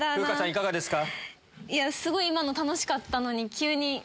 いかがですか？